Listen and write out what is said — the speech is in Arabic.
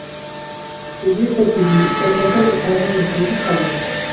بالنسبة لي، فإن كلب سامي يبدو بخير.